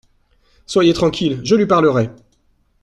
Soyez tranquille ! je lui parlerai !